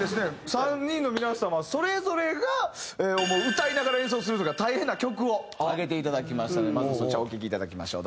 ３人の皆様それぞれが思う歌いながら演奏するのが大変な曲を挙げていただきましたのでまずはそちらをお聴きいただきましょう。